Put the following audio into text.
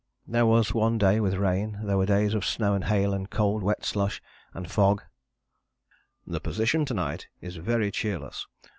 There was one day with rain, there were days of snow and hail and cold wet slush, and fog. "The position to night is very cheerless.